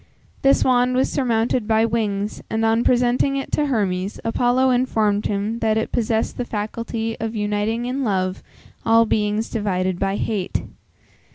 This wand was surmounted by wings, and on presenting it to Hermes, Apollo informed him that it possessed the faculty of uniting in love, all beings divided by hate.